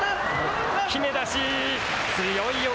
決めだし。